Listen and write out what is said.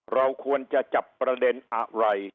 เราควรจะจับประเด็นอะไร